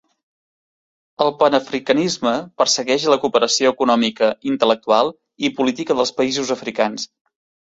El panafricanisme persegueix la cooperació econòmica, intel·lectual i política del països africans.